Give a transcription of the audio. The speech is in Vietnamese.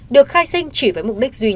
được khai sinh chỉ với mục đích duy nhất